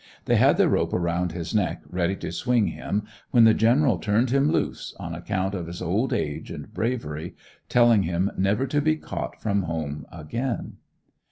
They had the rope around his neck ready to swing him when the General turned him loose, on account of his old age and bravery, telling him never to be caught from home again.